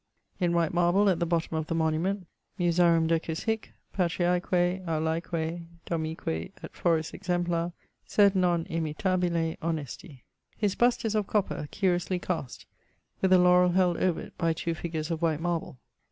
_In white marble at the bottome of the monument: _ Musarum decus hîc, patriaeque, aulaeque, domique Et foris exemplar, sed non imitabile, honesti. His bust is of copper, curiously cast, with a laurell held over it by two figures of white marble.